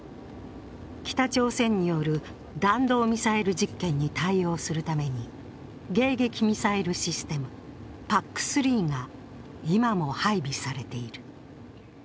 北朝鮮による弾道ミサイル実験に対応するために迎撃ミサイルシステムＰＡＣ３が今も配備されている。